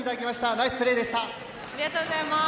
ナイスプレーでした。